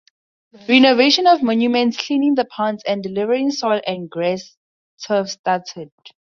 Renovation of monuments, cleaning the ponds and delivering soil and grass turf started.